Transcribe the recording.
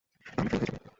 তাহলে ফেল হয়ে যাও।